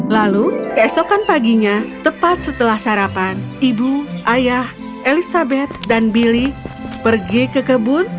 lalu keesokan paginya tepat setelah sarapan ibu ayah elizabeth dan billy pergi ke kebun